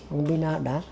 ông pina đã